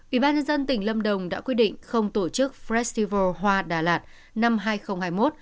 ủy ban nhân dân tỉnh lâm đồng đã quyết định không tổ chức festival hoa đà lạt năm hai nghìn hai mươi một